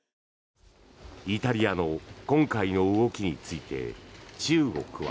イタリアの今回の動きについて中国は。